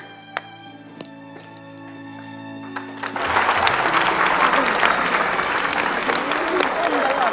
ขอบคุณทุกคน